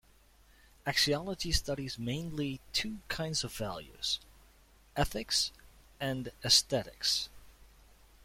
Axiology studies mainly two kinds of values: ethics and aesthetics.